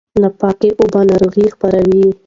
ناپاکه اوبه ناروغي خپروي.